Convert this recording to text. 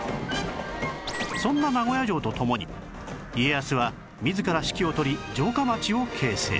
そんな名古屋城と共に家康は自ら指揮を執り城下町を形成